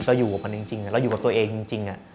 เราอยู่กับมันจริงเราอยู่กับตัวเองจริง